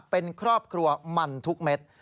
เป็นครอบครัวมันทุกเม็ด